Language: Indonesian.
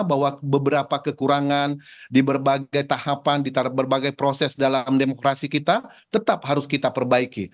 bahwa beberapa kekurangan di berbagai tahapan di berbagai proses dalam demokrasi kita tetap harus kita perbaiki